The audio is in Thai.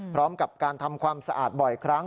พร้อมกับการทำความสะอาดบ่อยครั้ง